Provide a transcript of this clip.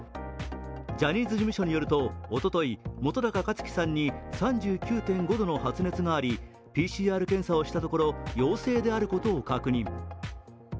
ジャニーズ事務所によると、おととい、本高克樹さんに３９．５度の発熱があり、ＰＣＲ検査をしたところ、陽性であることを確認。